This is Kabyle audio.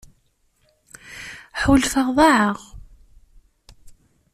Ḥulfaɣ ḍaεeɣ.